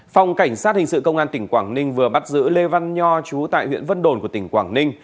phòng cảnh sát hình sự công an tỉnh quảng ninh vừa bắt giữ lê văn nho chú tại huyện vân đồn của tỉnh quảng ninh